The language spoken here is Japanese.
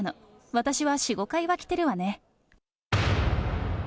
私は４、５回は来てるわね。